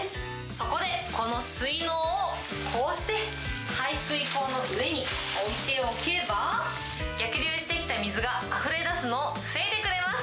そこで、この水のうをこうして排水溝の上に置いておけば、逆流してきた水があふれ出すのを防いでくれます。